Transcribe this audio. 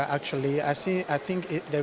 saya pikir sudah biasanya ada kemajuan